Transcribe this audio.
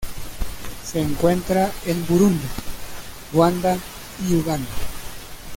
Se encuentra en Burundi, Ruanda y Uganda.